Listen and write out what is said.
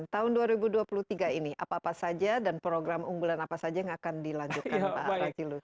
tahun dua ribu dua puluh tiga ini apa apa saja dan program unggulan apa saja yang akan dilanjutkan pak razilu